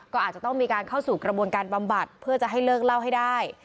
ก็อาจจะต้องมีการเข้าสู่กระบวนการบำบัดเพื่อจะให้เลิกเล่าให้ได้